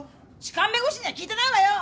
痴漢弁護士には聞いてないわよ！